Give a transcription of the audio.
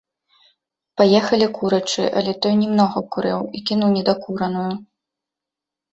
Паехалі, курачы, але той не многа курыў і кінуў недакураную.